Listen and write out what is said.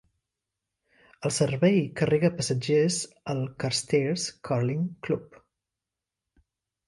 El servei carrega passatgers al Carstairs Curling Club.